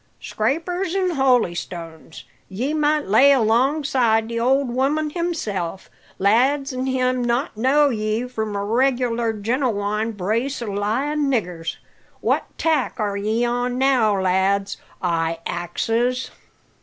Scrapers an' holystones, ye might lay alongside the old woman himself, lads, an' him not know ye from a reglar, genewine brace o' lying niggers. What tack are ye on now, lads? I axes."